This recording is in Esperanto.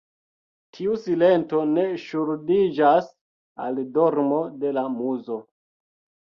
Tiu silento ne ŝuldiĝas al dormo de la muzo.